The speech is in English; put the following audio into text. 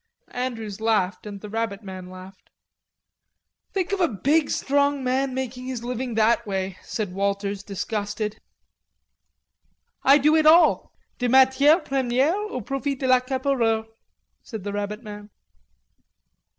Andrews laughed and the rabbit man laughed. "Think of a big strong man making his living that way," said Walters, disgusted. "I do it all... de matiere premiere au profit de l'accapareur," said the rabbit man.